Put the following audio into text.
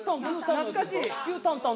懐かしい。